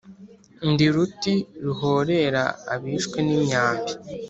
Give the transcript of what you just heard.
Ndi ruti ruhorera abishwe n'imyambi.